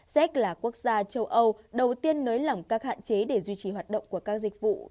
zech là quốc gia châu âu đầu tiên nới lỏng các hạn chế để duy trì hoạt động của các dịch vụ